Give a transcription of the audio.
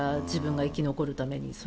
自分が生き残るために。